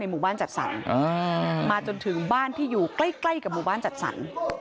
หมู่บ้านจัดสรรมาจนถึงบ้านที่อยู่ใกล้กับหมู่บ้านจัดสรร